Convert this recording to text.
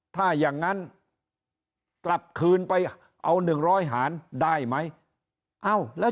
ถ้าอย่างนั้นกลับคืนไปเอาหนึ่งร้อยหานได้ไหมเอาแล้ว